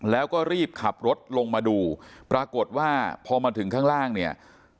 แล้วก็รีบขับรถลงมาดูปรากฏว่าพอมาถึงข้างล่างเนี่ย